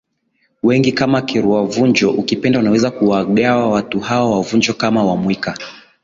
wengi kama Kirua Vunjo Ukipenda unaweza kuwagawa watu hawa wa Vunjo kama WaMwika